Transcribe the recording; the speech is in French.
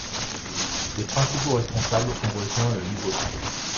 Ses principaux responsables ont rejoint le Nouveau Centre.